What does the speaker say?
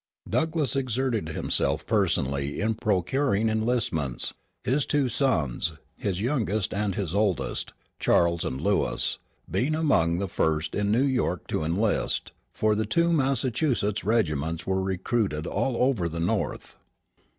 Douglass exerted himself personally in procuring enlistments, his two sons [his youngest and his oldest], Charles and Lewis, being [among] the first in New York to enlist; for the two Massachusetts regiments were recruited all over the North.